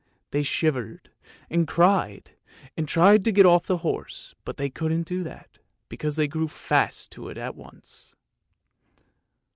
They shivered, and cried, and tried to get off the horse, but they couldn't do that, because they grew fast to it at once.